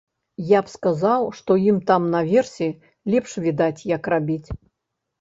Я б сказаў, што ім там наверсе лепш відаць, як рабіць.